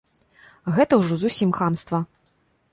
Гэта ўжо зусім хамства.